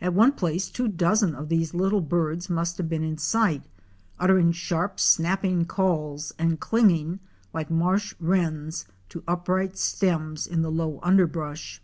At one place two dozen of these little birds must have been in sight, utter ing sharp, snapping calls, and clinging, ike Marsh Wrens, to upright stems in the low underbrush.